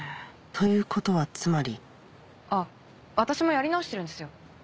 ということはつまりあ私もやり直してるんですよ。